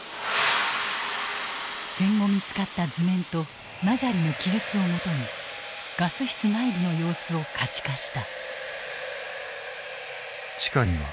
戦後見つかった図面とナジャリの記述をもとにガス室内部の様子を可視化した。